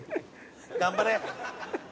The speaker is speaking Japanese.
頑張れ。